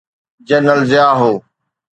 General Zia هو.